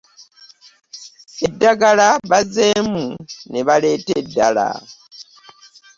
Eddagala bazzeemu ne baleeta eddala.